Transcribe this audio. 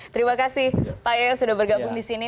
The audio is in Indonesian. terima kasih pak yoyo sudah bergabung di sini